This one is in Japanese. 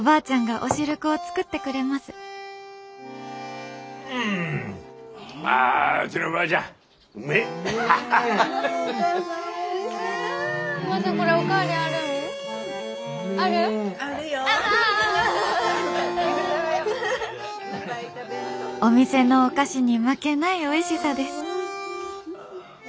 「お店のお菓子に負けないおいしさです」。